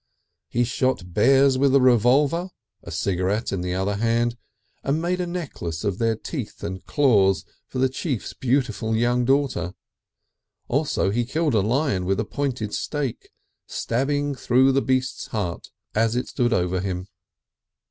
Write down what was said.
He shot bears with a revolver a cigarette in the other hand and made a necklace of their teeth and claws for the chief's beautiful young daughter. Also he killed a lion with a pointed stake, stabbing through the beast's heart as it stood over him.